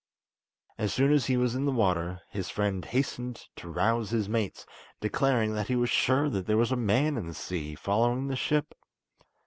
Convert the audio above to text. As soon as he was in the water, his friend hastened to rouse his mates, declaring that he was sure that there was a man in the sea, following the ship.